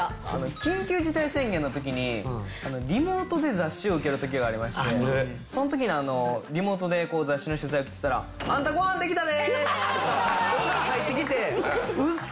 緊急事態宣言の時にリモートで雑誌を受ける時がありましてその時にリモートで雑誌の取材受けてたら「あんたご飯できたで」ってオカン入ってきてウソ！？